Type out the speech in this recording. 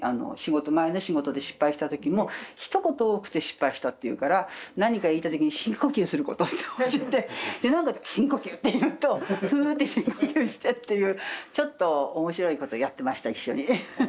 前の仕事で失敗した時もひと言多くて失敗したって言うから何か言いたい時に深呼吸することって教えてなんかあると「深呼吸！」っていうと「ふ」って深呼吸してっていうちょっと面白いことやってました一緒に。